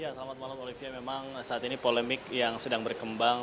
ya selamat malam olivia memang saat ini polemik yang sedang berkembang